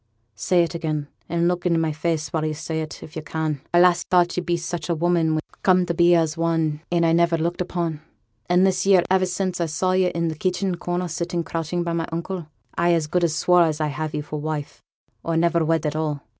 say it again, and look i' my face while yo' say it, if yo' can. Why, last winter I thought yo'd be such a woman when yo'd come to be one as my een had never looked upon, and this year, ever sin' I saw yo' i' the kitchen corner sitting crouching behind my uncle, I as good as swore I'd have yo' for wife, or never wed at all.